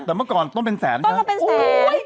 แต่เมื่อก่อนต้นเป็นแสนใช่ไหมครับต้นละเป็นแสนโอ้โฮ